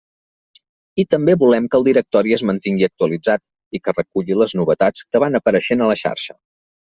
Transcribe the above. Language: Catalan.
I també volem que el directori es mantingui actualitzat i que reculli les novetats que van apareixent a la xarxa.